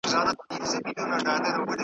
د نقاش په قلم جوړ وو سر ترنوکه .